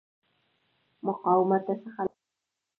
مقاومته څخه لاس اخلي.